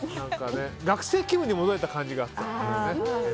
学生気分に戻れた感じがあったね。